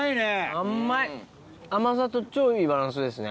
甘さと超いいバランスですね